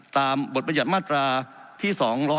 บทบรรยัติมาตราที่๒๖